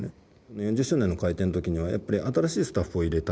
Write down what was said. ４０周年の改定の時はやっぱり新しいスタッフを入れたい。